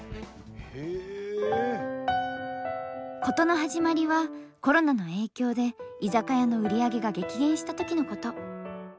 ことの始まりはコロナの影響で居酒屋の売り上げが激減した時のこと。